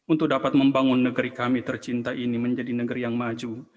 untuk dapat membangun negeri kami tercinta ini menjadi negeri yang maju